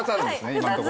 今のところ。